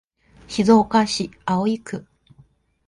静岡市葵区